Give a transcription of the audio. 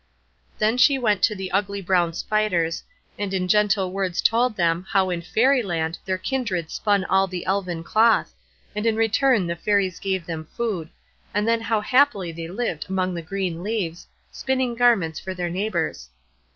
Then she went to the ugly brown spiders, and in gentle words told them, how in Fairy Land their kindred spun all the elfin cloth, and in return the Fairies gave them food, and then how happily they lived among the green leaves, spinning garments for their neighbors.